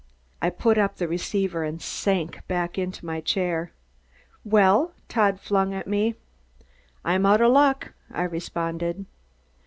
I put up the receiver and sank back in my chair. "Well?" Todd flung at me. "I'm out of luck!" I responded.